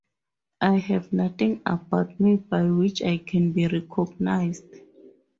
I have nothing about me by which I can be recognized.